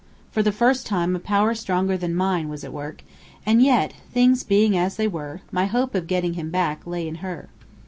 For the first time a power stronger than mine was at work; and yet, things being as they were, my hope of getting him back lay in her."